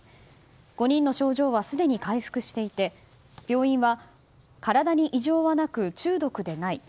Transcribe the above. ５人の症状はすでに回復していて病院は体に異常はなく中毒でない。